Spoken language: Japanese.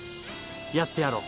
やってやろう。